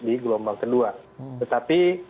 di gelombang kedua tetapi